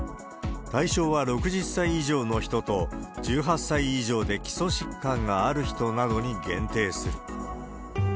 対象は６０歳以上の人と、１８歳以上で基礎疾患がある人などに限定する。